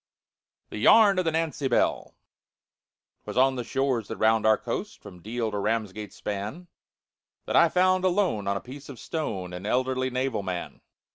_ THE YARN OF THE "NANCY BELL" 'Twas on the shores that round our coast From Deal to Ramsgate span, That I found alone on a piece of stone An elderly naval man.